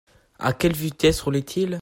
À quelle vitesse roulait-il ?